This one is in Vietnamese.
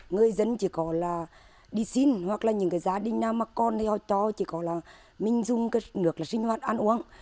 người dân chỉ có là đi xin hoặc là những cái gia đình nào mà con thì họ cho chỉ có là mình dùng cái nước là sinh hoạt ăn uống